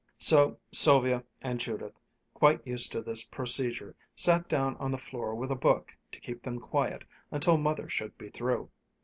So Sylvia and Judith, quite used to this procedure, sat down on the floor with a book to keep them quiet until Mother should be through.